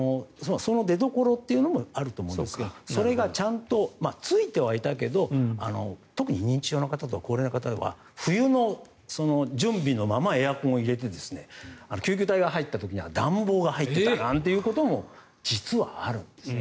その出どころというのもあると思いますがそれがちゃんとついてはいたけど特に認知症の方とかや高齢の方は冬の準備のままエアコンを入れて救急隊が入った時には暖房が入っていたことも実はあるんですね。